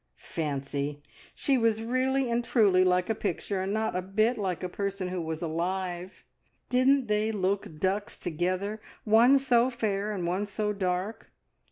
Fancy! She was really and truly like a picture, and not a bit like a person who was alive. Didn't they look ducks together one so fair, and one so dark?